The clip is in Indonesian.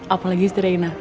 apalagi sih reina